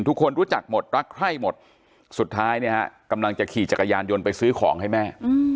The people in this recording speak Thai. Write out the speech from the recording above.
ทุกคนรู้จักหมดรักใคร่หมดสุดท้ายเนี่ยฮะกำลังจะขี่จักรยานยนต์ไปซื้อของให้แม่